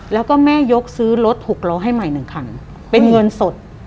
แล้วก็แม่ยกซื้อรถหกล้อให้ใหม่หนึ่งคันเป็นเงินสด